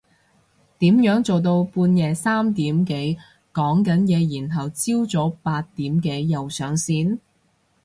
點樣做到半夜三點幾講緊嘢然後朝早八點幾又上線？